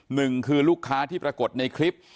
หนึ่งคือลูกค้าที่ปรากฏในคลิป